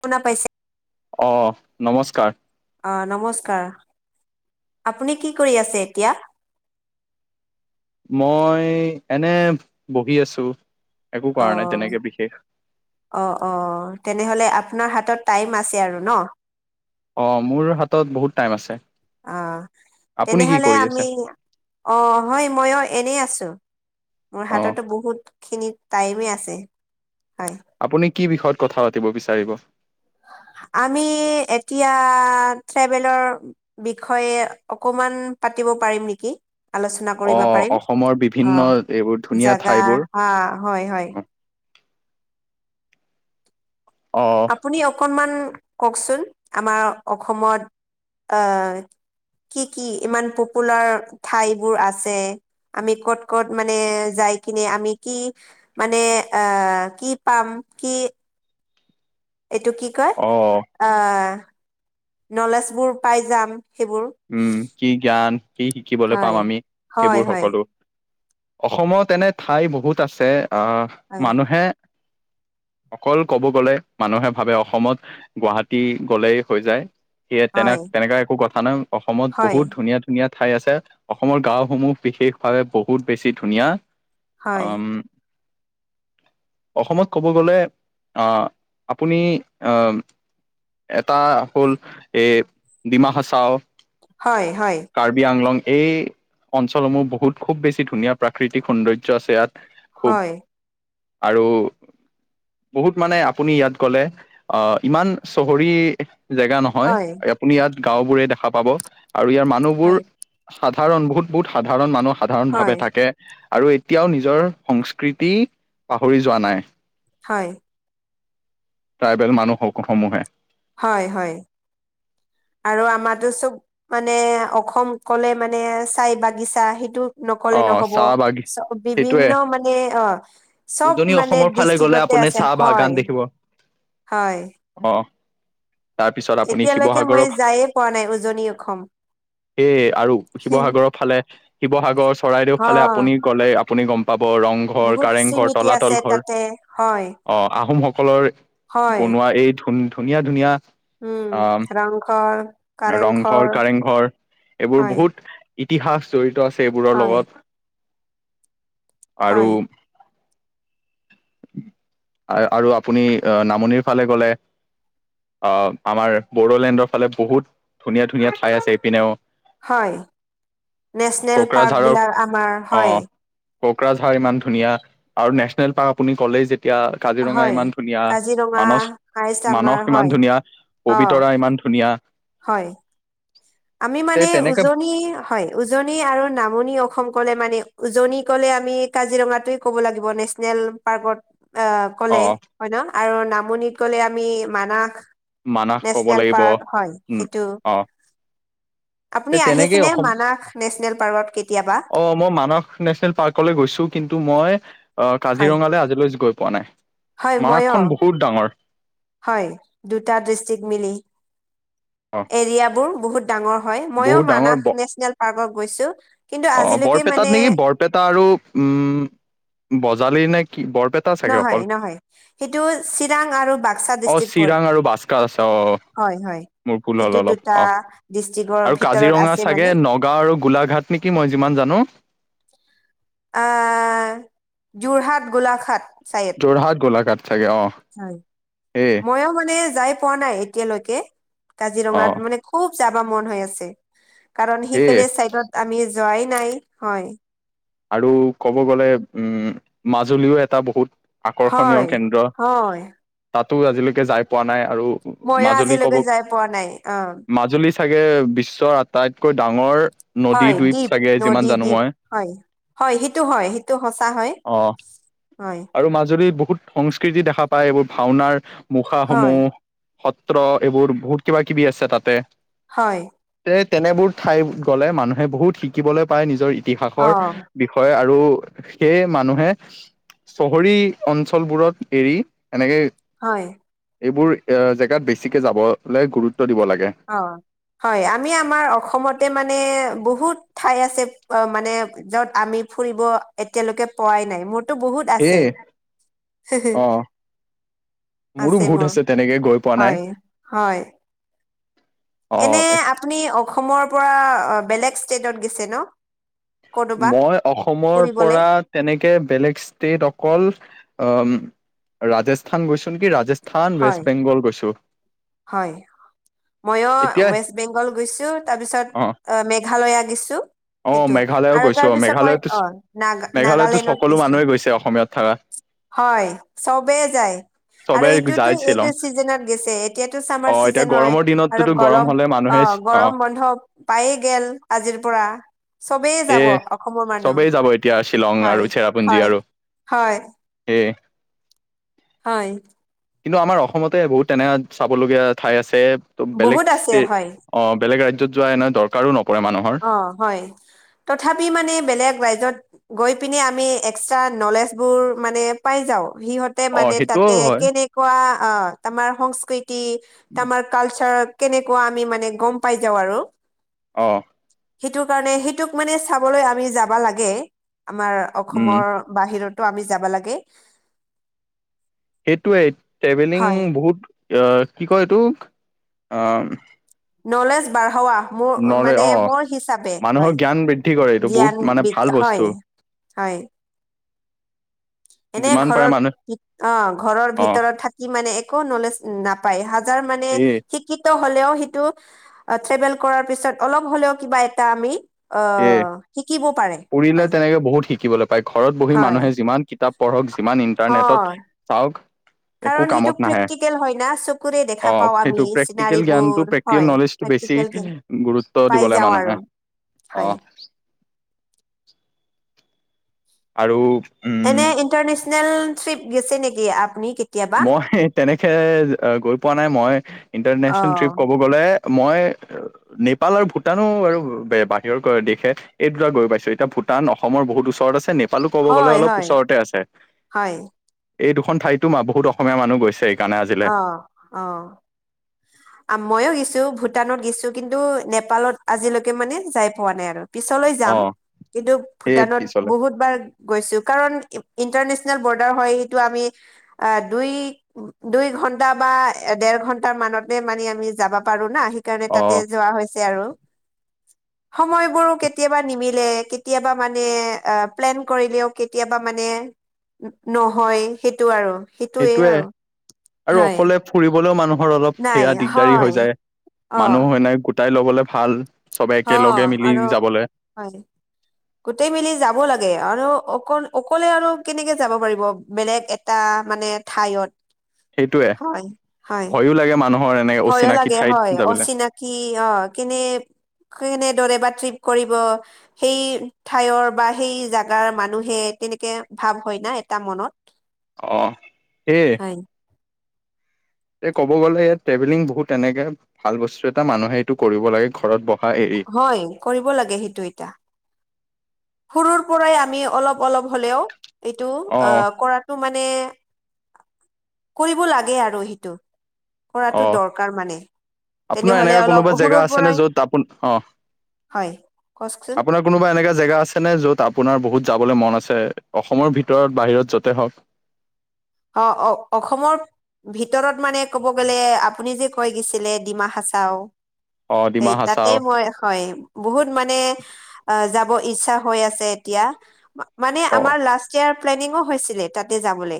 শুনা পাইছে? অঁ নমস্কাৰ। অঁ' নমস্কাৰ। আপুনি কি কৰি আছে এতিয়া? মই এনে বহি আছোঁ। অঅ'। অ' অ' তেনেহলে আপোনাৰ হাতত টাইম আছে আৰু ন। অঁ মোৰ হাতত বহুত টাইম আছে। অঁ' আপুনি কি তেনেহলে কৰি আমি আছে অঁ' হয় ময়ো এনেই আছোঁ। মোৰ অ হাততো বহুত খিনি টাইমেই আছে, হয়। আপুনি কি বিষয়ত কথা পাতিব বিচাৰিব? আমি এতিয়া ট্ৰভেলৰ- বিষয়ে অকমান পাতিব পাৰিম নিকি? আলোচনা অ কৰিব পাৰিম অসমৰ বিভিন্ন অঁ' এইবোৰ ধুনীয়া জাগা ঠাইবোৰ অঁ' হয় হয়। অঁ' অঁ'। আপুনি অকনমান কওকচোন, আমাৰ অসমত আহ'- কি কি ইমান পপুলাৰ ঠাইবোৰ আছে- আমি ক'ত ক'ত মানে যাই কিনে আমি কি- মানে আহ' কি পাম কি- এইটো কি কয়- অঁ অ। আহ' নলেজ বোৰ পাই যাম সেইবোৰ। উম' কি জ্ঞান কি শিকিবলৈ পাম হয় আমি হয় সেইবোৰ হয় সকলো। অসমত এনে ঠাই বহুত আছে আহ হয় মানুহে, অকল ক'ব গলে মানুহে ভাবে অসমত গুৱাহাটী গলেই হৈ যায়। ইয়াত তেনে হয় তেনেকা একো কথা নাই অসমত বহুত ধুনীয়া, ধুনীয়া ধুনীয়া ঠাই আছে অসমৰ গাও সমূহ বিশেষ ভাৱে বহুত বেছি ধুনীয়া। হয় আম, অসমত ক'ব গ'লে আহ' আপুনি আহ' এটা হ'ল এ ডিমা হাছাও। হয় হয়। কাৰ্বি আংলং এই অঞ্চলসমূহ বহুত খুব বেছি ধুনীয়া প্ৰাকৃতিক সৌন্দৰ্য আছে ইয়াত। খুব হয় আৰু, বহুত মানে আপুনি ইয়াত গ'লে অ' ইমান চহৰি জেগা নহয়। হয় আপুনি ইয়াত গাও বোৰে দেখা পাব। আৰু ইয়াৰ মানুহবোৰ হয় সাধাৰণ বহুত বহুত সাধাৰণ মানুহ সাধাৰণ ভাৱে থাকে। আৰু এতিয়াও নিজৰ সংস্কৃতি পাহৰি যোৱা নাই। হয়। ট্ৰাইবেল মানুহসকল সমূহে। হয় হয় আৰু আমাৰটো চ'ব, মানে অসম কলে মানে চাই বাগিচা সেইটো, অ নকলে নহ'ব চাহ বাগি চ'ব সেইটোৱে বিভিন্ন মানে অ' চব উজনি মানে অসমৰ ফালে গ'লে ডিষ্ট্ৰিক্টত। তে আপুনি আছে চাহ বাগান হয় দেখিব হয়। অ' তাৰপিছত আপুনি এতিয়ালৈকে মই শিৱসাগৰৰ যায়ে পোৱা নাই উজনি অসম। সেয়ে আৰু, শিৱসাগৰৰ ফালে, শিৱসাগৰ চৰাইদেউ অ ফালে, আপুনি গ'লে আপুনি গম পাব ৰংঘৰ, বহুত কাৰেংঘৰ, স্মৃতি আছে তলাতল ঘৰ। তাতে হয় অ' আহোমসকলৰ হয় বনোৱা এই ধুন ধুনীয়া ধুনীয়া। উম আহ, ৰংঘৰ কাৰেংঘৰ ৰংঘৰ, কাৰেংঘৰ এইবোৰ হয় বহুত, ইতিহাস জড়িত আছে এইবোৰৰ হয় লগত আৰু, হয় [inaudible] আ আৰু আপুনি নামনিৰ ফালে গ'লে, আহ, আমাৰ বড়োলেণ্ডৰ ফালে বহুত ধুনীয়া ধুনীয়া ঠাই আছে এইপিনেও। হয়, নেচনেল কোকৰাঝাৰৰ পাৰ্কবিলাক আমাৰ। হয় অ' কোকৰাঝাৰ ইমান ধুনীয়া আৰু নেচনেল পাৰ্ক আপুনি ক'লেই যেতিয়া, কাজিৰঙা হয় ইমান ধুনীয়া, কাজিৰঙা মানস হাইষ্ট আমাৰ মানস হয় ইমান ধুনীয়া, অ পবিতৰা ইমান ধু ধুনীয়া। হয়, আমি তে মানে তেনেকে উজনিৰ, হয়, উজনি আৰু নামনি অসম ক'লে মানে, উজনি ক'লে আমি কাজিৰঙা টোয়ে ক'ব লাগিব। নেচ নেল পাৰ্কত আ অ কলে হয় ন, আৰু নামনিত কলে আমি মানাস। মানাস ক'ব নেচনেল লাগিব পাৰ্ক হয়, উম সেইটো। অ তে আপুনি তেনেকেই আহিছেনে অসম মানাস নেচনেল পাৰ্কত কেতিয়াবা? অ মই মানস নেচনেল পাৰ্কলৈ গৈছোঁ, কিন্তু মই হয় কাজিৰঙালৈ আজিলৈ গৈ পোৱা নাই। হয় মইয়ো, মানসখন বহুত ডাঙৰ হয় দুটা ডিষ্ট্ৰিক মিলি। অ এৰিয়াবোৰ বহুত ডাঙৰ হয়। ময়ো বহুত ডাঙৰ মানাস ব নেচনেল পাৰ্কত গৈছোঁ। অ' বৰপেটাত নেকি, বৰপেটা আৰু উম বজালি নে কি বৰপেট, নহয়, নহয়, সেইটো চিৰাং আৰু বাক্সা অ ডিষ্ট্ৰিক্ট পৰে। চিৰাং আৰু বাস্কাৰ আছে অ অ হয়, হয়। মোৰ ভুল হ'ল সেইটো অলপ দুটা অ ডিষ্ট্ৰিকৰ ভিতৰত আছে মানে। গাঁও আৰু গোলাঘাট নেকি, মই যিমান জানোঁ। আহ, যোৰহাট, গোলাঘাট চাগে। যোৰহাট, গোলাঘাট চাগে অ'। হয়, সেয়ে মইও মানে যাই পোৱা নাই এতিয়ালৈকে, অ কাজিৰঙাত মানে খুব যাব মন হৈ আছে, কাৰণ সেয়ে সিফেলে চাইডত আমি যোৱাই নাই, হয়। আৰু ক'ব গ'লে, উম, মাজুলীও এটা বহুত আকৰ্ষণীয় হয় কেন্দ্ৰ, হয় তাতো আজিলৈকে যাই পোৱা নাই আৰু মইও মাজুলী আজিলৈকে ক'ব, যাই পোৱা নাই অ মাজুলী চাগে বিশ্বৰ আটাইতকৈ ডাঙৰ হয় নদীদ্বীপ দ্বীপ চাগে, নদী যিমান জানোঁ দ্বীপ মই। হয়, হয়, সিটো হয়, সিটো সঁচা হয়। অ', হয় আৰু মাজুলীত বহুত সংস্কৃতি দেখা পায়, এইবোৰ ভাওনাৰ হয় মুখাসমূহ, সত্ৰ, এইবোৰ বহুত কিবা-কিবি আছে তাতে। হয়। তে তেনেবোৰ ঠাইত গ'লে, মানুহে বহুত শিকিবলে পায়, নিজৰ ইতিহাসৰ অ বিষয়ে আৰু সেয়ে মানুহে চহৰী অঞ্চলবোৰত এৰি এনেকে হয়। এইবোৰ এ জেগাত বেছিকে যাব লে গুৰুত্ব দিব লাগে। অ', হয়। আমি আমাৰ অসমতে মানে বহুত ঠাই আছে মানে য'ত আমি ফুৰিব এতিয়ালৈকে পোৱাই নাই, মোৰ টো বহুত আছে। সেয়ে অ মোৰো আছে বহুত মোৰ, তেনেকে গৈ পোৱা নাই হয়, হয়। অ এনে আপুনি অখমৰ পৰা বেলেগ ষ্টেটত গেছে ন? ক'তোবা মই অসমৰ ফুৰিবলে পৰা তেনেকে বেলেগ ষ্টেট অকল অ' ৰাজস্থান গৈছোঁ নেকি, ৰাজচ থান, হয় ৱেষ্ট বেংগল গৈছোঁ। হয়, ম‌ইও ৱেষ্ট বেংগল গৈছোঁ, তাৰপিছত অ', মেঘালয়া গেছোঁ। অ সেইটো মেঘালয়ও আৰু গৈছো তাৰ অ পিছত মই মেঘালয়তো অ নাগা মেঘালয়তো নাগালেণত সকলো গৈছোঁ। মানুহে গৈছে অসমীয়াত থকা হয় চবেই যায়, আৰু চবে এইটোতো যায় এইটো শ্বিলং চিজনত গেছে। এতিয়াতো ছামাৰ অ এতিয়া চিজেন হয় গৰমৰ আৰু দিনতোতো গৰম গলম হলে মানুহে অ', গৰম বন্ধ। পায়ে গেল আজিৰ পৰা। চবেই এ যাব অখমৰ মানুহ, চবেই যাব এতিয়া শ্বিলং হয়, আৰু চেৰাপুঞ্জী হয়, আৰু হয়। এ হয়। কিন্তু আমাৰ অসমতে বহুত তেনে চাবলগীয়া ঠাই আছে, ত' বেলেগ বহুত আছে ষ্টে হয়, অ', বেলেগ ৰাজ্যত যোৱা এনে দৰকাৰো নপৰে মানুহৰ। অ', হয়। তথাপি মানে বেলেগ ৰাইজত গৈ পিনে আমি এক্সৰা নলেজ বোৰ মানে পাই যাওঁ, সিহঁত তে অ' মানে সেইটোও তাতে হয় কেনেকুৱা অ তামাৰ সংস্কৃতি তামাৰ কালচাৰ কেনেকুৱা আমি মানে গম পাই যাওঁ আৰু। অ'। সেইটোৰ কাৰণে সেইটোক মানে চাবলে আমি যাবা লাগে, আমাৰ উম অখমৰ বাহিৰতো আমি যাবা লাগে সেইটোৱে, ট্ৰেভেলিং হয় বহুত, আহ কি কয় এইটো, আহ নলেজ বাঢ়োৱা মোৰ নলে মানে অ' মোৰ হিচাপে মানুহৰ হয়, জ্ঞান বৃদ্ধি কৰে এইটো বহুত জ্ঞান মানে বিদ, ভাল বস্তু হয়। হয়। এনে যিমান পাৰে ঘৰৰ মানুহে অ', ঘৰৰ অ' ভিতৰত থাকি মানে একো নলেজ নাপায়, হাজাৰ মানে সেয়ে সি শিক্ষিত হ'লেও সেইটো, ট্ৰেভেল কৰাৰ পিছত অলপ হ'লেও কিবা এটা আমি অ তাকে, শিকিব পাৰে ফুৰিলে হয় তেনেকে বহুত শিকিবলৈ পায়, ঘৰত বহি হয় মানুহে যিমান কিতাপ পঢ়ক, যিমান হয় ইণ্টাৰনেটত চাওঁক একো কাৰণ সেইটো কামত নাহে, প্ৰেক্টিকেল হয় না চকুৰে দেখা অ' পাওঁ আমি সেইটো প্ৰেক্টিকেল জ্ঞানতটো চিনাৰীবোৰ প্ৰেক্টি ল হয় নলেজটো বেছি প্ৰেক্টিকেল গুৰুত্ব পাই দিব লাগ যাওঁ আৰু মানুহে, অ'। হয় আৰু, উম এনে ইণ্টাৰনেচনেল ট্ৰিপ গেছি নেকি, আপনি কে মই সেই তেনেকে গৈ পোৱা নাই, মই অ ইণ্টাৰনেচনেল ট্ৰিপ কব গ'লে, মই নেপাল আৰু ভূটানো আৰু বাহিৰৰ কৰে দেশে এই দুটাত গৈ পাইছোঁ, এতিয়া ভূটান অসমৰ বহুত ওচৰত আছে, নে নেপালো ক'ব গ'লে হয় অলপ হয় ওচৰতে আছে, হয় এই দুখন ঠাইতো মা বহুত অসমীয়া মানুহ গৈছেই। অ', অ'। [inaudible] মইওঁ গেছো, ভূটানত গেছো, কিন্তু নেপালত আজিলৈকে মানে যাই পোৱা নাই আৰু। পিছলৈ যাম, অ কিন্তু সেই ভূটানত পিছলে বহুতবাৰ গৈছোঁ, কাৰণ ইন্টাৰনেচনেল বৰ্ডাৰ হয়, সেইটো আমি আহ দুই দুই ঘণ্টা বা দেৰ ঘন্টা মানতে মানে আমি যাব পাৰোঁ না সে কাৰণে অ তাতে যোৱা হৈছে আৰু। [inaudible] সময়বোৰো কেতিয়াবা নিমিলে, কেতিয়াবা মানে আহ প্লেন কৰিলেও কেতিয়াবা মানে নহয়, সেইটো আৰু সেইটোৱে সেইটোয়ে আৰু। আৰু হয় অকলে ফুৰিবলেও মানুহৰ অলপ নাই সেয়া দিগদাৰি হয় হৈ যায়, অ মানুহ হয় নাই গোতাই ল'বলৈ ভাল, চবে হ একেলগে মিলি আৰু যাবলৈ। হয়। গোটেই মিলি যাব লাগে, আৰু অকল অকলে আৰু কেনেকে যাব পাৰিব, বেলেগ এটা মানে ঠাইত। সেইটোৱে, হয় হয় ভয়ো লাগে মানুহৰ এনেকে অচিনাকি ঠাইত যাবলৈ। কি অ' কেনে, কেনে দৰে বা ট্ৰিট কৰিব সেই, ঠাইৰ বা সেই জাগাৰ মানুহে, তেনেকে ভাৱ হয় না এটা মনত। অ', সেইয়ে। হয় এ ক'ব গ'লে ইয়াত ট্ৰেভেলিং বহুত এনেকে, ভাল বস্তু এটা মানুহে এইটো কৰিব লাগে, ঘৰত বহা এৰি। হয়, কৰিব লাগে সেইটো এটা। সৰুৰ পৰাই আমি অলপ অলপ হ'লেও, এইটো অ আহ কৰাত টো মানে, কৰিব লাগে আৰু সেইটো। অ কৰাটো দৰকাৰ মানে। আপোনাৰ তেনেহলে এনেকুৱা অলপ কোনোবা জেগা সৰুৰ আছে পৰাই নে য'ত আপোন অ', হয় কওকচোন আপোনাৰ কোনোবা এনেকা জেগা আছেনে য'ত আপোনাৰ বহুত যাবলৈ মন আছে, অসমৰ ভিতৰত বাহিৰত য'তে হওঁক? অ', অ', অসমৰ ভিতৰত মানে ক'ব গ'লে, আপুনি যে কৈ গৈছিলে ডিমা হাছাওঁ! অ সেই ডিমা তাতে হাচাও মই হয়। বহুত মানে যাব ইচ্ছা হৈ আছে এতিয়া। মানে অ আমাৰ লাষ্ট- প্লেনিঙো তাতে যাবলে।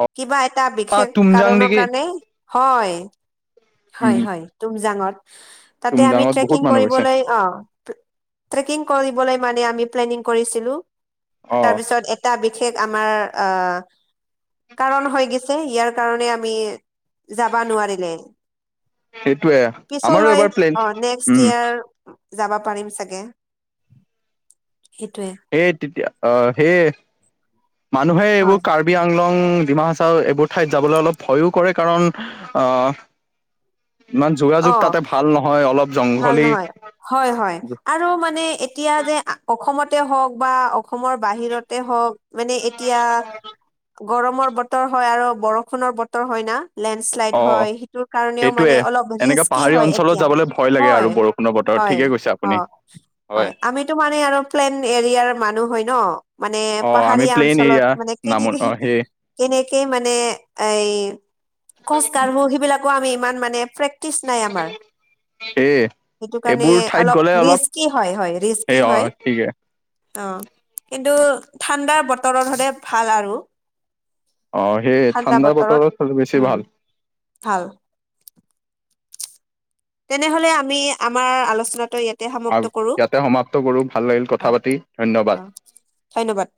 অ কিবা এটা বিশেষ তুমজাং কাৰণৰ নেকি কাৰণে হয়। উম হয়, হয় তুমজাঙত, তাতে আমি তুমজাঙত বহুত ট্ৰেকিং মানুহ গৈছে কৰিবলৈ অঁ'। ট্ৰেকিং কৰিবলৈ মানে আমি প্লেনিং কৰিছিলোঁ। অ তাৰপিছত এক - এটা বিশেষ আমাৰ অঁ, - কাৰণ গৈছে, ইয়াৰ কাৰণে যাবা নোৱাৰিলে। সেইটোয়ে আমাৰো পিছলৈ এবাৰ প্লেন অঁ, নেক্সট উম ইয়াৰ- যাব পাৰিম চাগে, সেইটোৱে। এই তেতিয়া অঁ, সেই মানুহে এইবোৰ হয় কাৰ- বি আংলং, ডিমা হাচাও, এইবোৰ ঠাইত যাবলৈ অলপ ভয়ো কৰে কাৰণ আহ- ইমান যোগাযোগ অ তাতে ভাল নহয় অলপ- ভাল জংঘলী নহয়, হয়- হয়। আৰু মানে এতিয়া যে অসমতে হওঁক বা অসমৰ বাহিৰতে হওঁক- মানে এতিয়া গৰমৰ বতৰ হয় আৰু বৰষুণৰ বতৰ হয় না। লেণ্ডশ্লাইড অ হয়, সেইটোৰ কাৰণেও মানে সেইটোয়ে অলপ এনেকা ৰিস্কি পাহাৰী হয় অঞ্চলত এতিয়া। যাবলৈ ভয় লাগে আৰু হয়, বৰষুণৰ বতৰত হয়, ঠিকে কৈছে আপুনি অঁ, হয়। আমিতো মানে আৰু প্লেন এৰিয়াৰ মানুহ হয়। ন? মানে অ আমি পাহাৰীয়া প্লেইন অঞ্চলত এৰিয়া মানে নাম অ কেনেকে- সেই কেনেকে মানে এই খোজ কাঢ়বো, সিবিলাকো আমি ইমান মানে প্ৰে- সেয়ে। সেইটো কাৰণে এইবোৰ ঠাইত অলপ গ'লে ৰিস্কি হয়, হয় সেই ৰিস্কি অ হয়। ঠিকে অঁ, কিন্তু ঠাণ্ডাৰ বতৰত হ'লে ভাল আৰু। অঁ, সেয়ে ঠাণ্ডা বতৰত হ'লে বেছি উম ভাল। ভাল। তেনেহ'লে আমি আমাৰ আলোচনাটো ইয়াত- ভাল, ইয়াতে সমাপ্ত কৰো, ভাল লাগিল অ কথা পাতি, অ ধন্যবাদ। ধন্যবাদ।